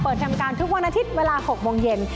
ทำการทุกวันอาทิตย์เวลา๖โมงเย็น